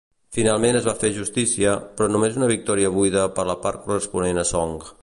Finalment es va fer justícia, però només una victòria buida per la part corresponent a Song.